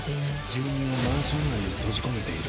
住人をマンション内に閉じ込めている。